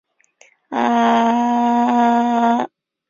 总督宫是意大利热那亚一座重要的历史建筑。